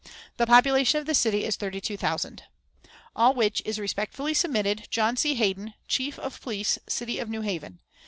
"The population of the city is thirty two thousand. "All which is respectfully submitted. "JOHN C. HAYDEN, "Chief of Police City of New Haven.